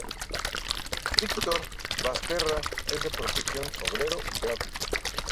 Víctor Basterra es de profesión obrero gráfico.